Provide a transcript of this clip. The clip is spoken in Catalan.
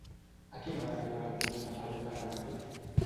A quina hora arriba l'autobús de Palol de Revardit?